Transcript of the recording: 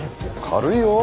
軽いよ。